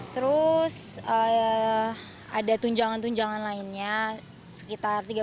terus ada tunjangan tunjangan lainnya sekitar rp tiga belas juta